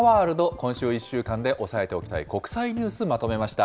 今週１週間で押さえておきたい国際ニュース、まとめました。